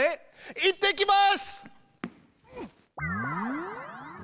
いってきます！